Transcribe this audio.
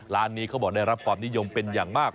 ร้านนี้เขาบอกได้รับความนิยมเป็นอย่างมาก